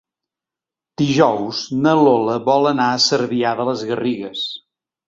Dijous na Lola vol anar a Cervià de les Garrigues.